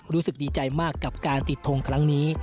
รู้สึกดีใจมากกับการติดทงครั้งนี้